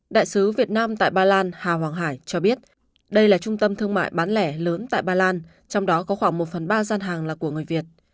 đại sứ việt nam tại ba lan hà hoàng hải cho biết đây là trung tâm thương mại bán lẻ lớn tại ba lan trong đó có khoảng một phần ba gian hàng là của người việt